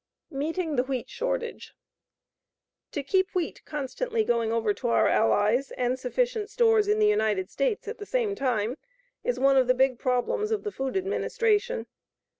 MEETING THE WHEAT SHORTAGE To keep wheat constantly going over to our Allies and sufficient stores in the United States at the same time, is one of the big problems of the Food Administration.